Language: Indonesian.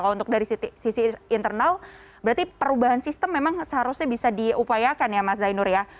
kalau untuk dari sisi internal berarti perubahan sistem memang seharusnya bisa diupayakan ya mas zainur ya